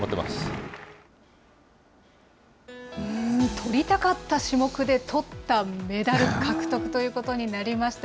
とりたかった種目でとったメダル獲得ということになりました。